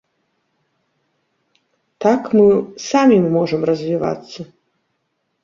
Так мы самі можам развівацца.